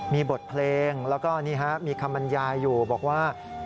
มีบทเพลงแล้วก็นี่ฮะมีคำบรรยายอยู่บอกว่า